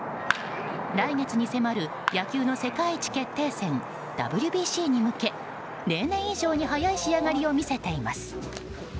来月に迫る野球の世界一決定戦ＷＢＣに向け例年以上に早い仕上がりを見せています。